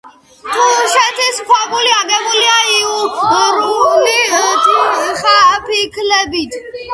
თუშეთის ქვაბული აგებულია იურული თიხაფიქლებით.